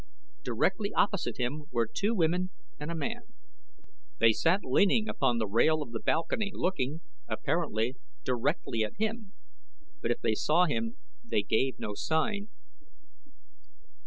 Directly opposite him were two women and a man. They sat leaning upon the rail of the balcony looking, apparently, directly at him; but if they saw him they gave no sign.